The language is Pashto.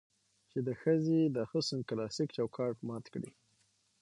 چې د ښځې د حسن کلاسيک چوکاټ مات کړي